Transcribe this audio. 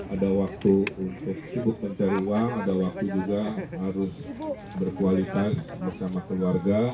ada waktu untuk cukup mencari uang ada waktu juga harus berkualitas bersama keluarga